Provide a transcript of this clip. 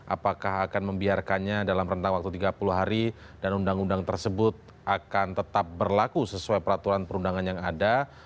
apakah akan membiarkannya dalam rentang waktu tiga puluh hari dan undang undang tersebut akan tetap berlaku sesuai peraturan perundangan yang ada